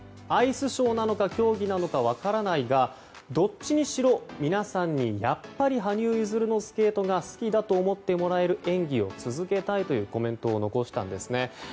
アイスショーなのか競技なのか分からないがどっちにしろ皆さんにやっぱり羽生結弦のスケートが好きだと思ってもらえる演技を続けたいというコメントを残したんです。